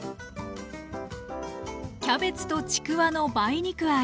キャベツとちくわの梅肉あえ。